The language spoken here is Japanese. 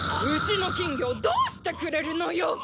うちの金魚をどうしてくれるのよ！